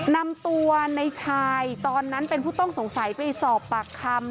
นำตัวในชายตอนนั้นเป็นผู้ต้องสงสัยไปสอบปากคำ